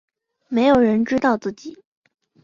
没有人知道自己